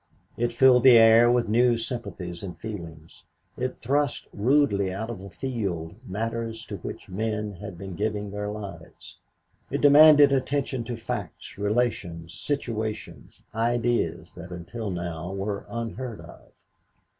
It filled the air with new sympathies and feelings. It thrust rudely out of field matters to which men had been giving their lives. It demanded attention to facts, relations, situations, ideas that until now were unheard of.